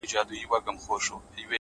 خدايه زما پر ځای ودې وطن ته بل پيدا که؛